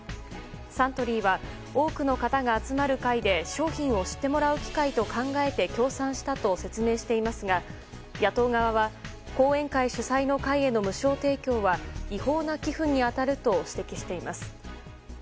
サントリーは多くの方が集まる会で商品を知ってもらう機会と考えて協賛したと説明していますが野党側は後援会主催の会への無償提供は違法な寄付に当たると指摘しています。